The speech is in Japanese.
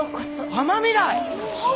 尼御台！